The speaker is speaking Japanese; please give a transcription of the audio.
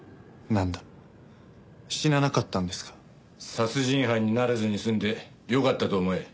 殺人犯にならずに済んでよかったと思え。